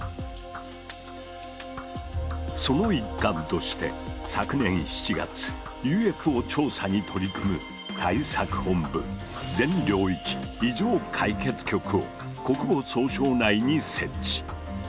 その一環として昨年７月ＵＦＯ調査に取り組む対策本部「全領域異常解決局」を国防総省内に設置。